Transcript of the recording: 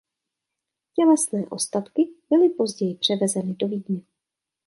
Tělesné ostatky byly později převezeny do Vídně.